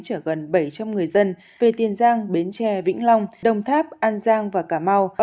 chở gần bảy trăm linh người dân về tiền giang bến tre vĩnh long đồng tháp an giang và cà mau